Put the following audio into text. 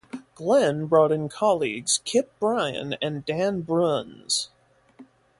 Glenn brought in colleagues Kip Bryan and Dan Bruns.